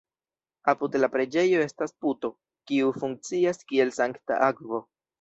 Apud la preĝejo estas puto, kiu funkcias kiel sankta akvo.